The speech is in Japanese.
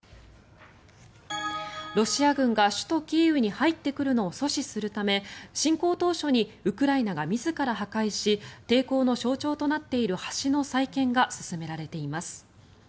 ロシア軍が首都キーウに入ってくるのを阻止するため侵攻当初にウクライナが自ら破壊し抵抗の象徴となっている橋の再建が進められています。